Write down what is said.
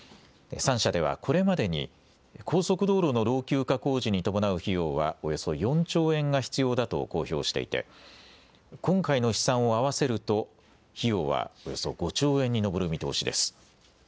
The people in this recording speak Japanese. ３社ではこれまでに高速道路の老朽化工事に伴う費用はおよそ４兆円が必要だと公表していて今回の試算を合わせると費用はおよそ５兆円に上る見通しです。